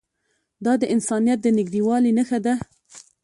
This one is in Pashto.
دا د انسانیت د نږدېوالي نښه ده.